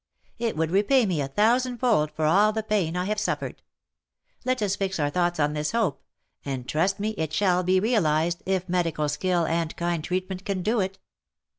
It would repay me a thousand fold for all the pain I have suffered. Let us fix our thoughts on this hope, and trust me it shall be realized, if medical skill and kind treatment can do it."